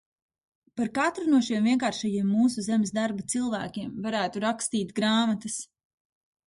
Par katru no šiem vienkāršajiem mūsu zemes darba cilvēkiem varētu rakstīt grāmatas.